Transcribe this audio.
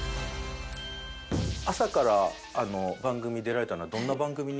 朝から番組に出られたのはどんな番組に？